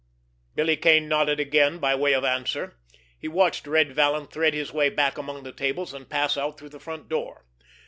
Billy Kane nodded again by way of answer. He watched Red Vallon thread his way back among the tables, and pass out through the front door.